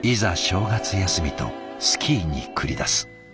正月休みとスキーに繰り出す。